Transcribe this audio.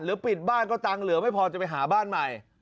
ปิดบ้านก็ตังค์เหลือไม่พอจะไปหาบ้านใหม่